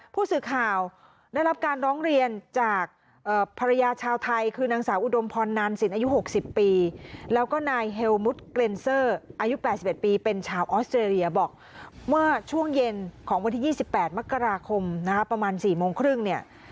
ผู้สื่อข่าวได้รับการร้องเรียนจากภรรยาชาวไทยคือนางสาวอุดมพรนานสินอายุ๖๐ปีแล้วก็นายเฮลมุทเกรนเซอร์อายุ๘๑ปีเป็นชาวออสเตรเลียบอกเมื่อช่วงเย็นของวันที่๒๘มกราคมนะคะประมาณ๔โมงครึ่งเนี่ย